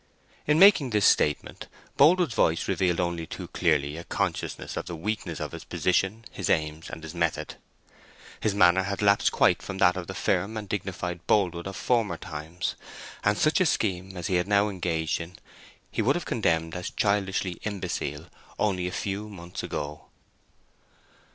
In making this statement Boldwood's voice revealed only too clearly a consciousness of the weakness of his position, his aims, and his method. His manner had lapsed quite from that of the firm and dignified Boldwood of former times; and such a scheme as he had now engaged in he would have condemned as childishly imbecile only a few months ago.